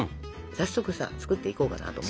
早速さ作っていこうかなと。